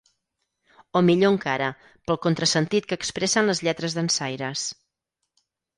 O millor encara, pel contrasentit que expressen les lletres dansaires.